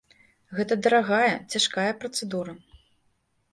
Гэта дарагая, цяжкая працэдура.